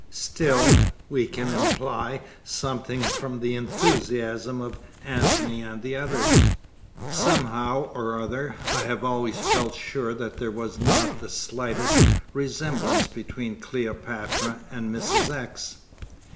Still, we can imply something from the enthusiasm of Antony and the others. Somehow or other, I have always felt sure that there was not the slightest resemblance between Cleopatra and Mrs. X.